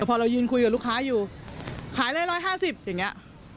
พอเรายืนคุยกับลูกค้าอยู่ขาย๑๕๐อย่างนี้